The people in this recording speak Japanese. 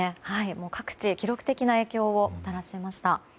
各地に記録的な影響をもたらしました。